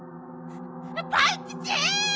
パンキチ！